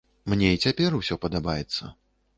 Мне і цяпер усё падабаецца.